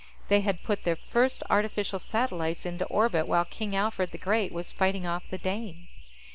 They had put their first artificial satellites into orbit while King Alfred the Great was fighting off the Danes.